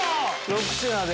６品で？